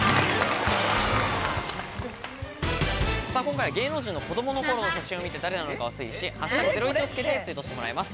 今回は芸能人の子どもの頃の写真を見て誰なのかを推理し、「＃ゼロイチ」をつけてツイートしてもらいます。